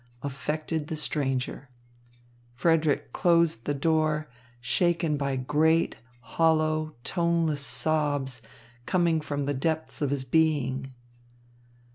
affected the stranger. Frederick closed the door, shaken by great, hollow, toneless sobs coming from the depths of his being.